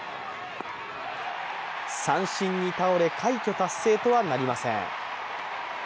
三振に倒れ、快挙達成とはなりません。